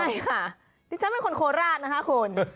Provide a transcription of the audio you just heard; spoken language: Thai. ใช่ค่ะดิฉันเป็นคนโคราชนะคะคุณ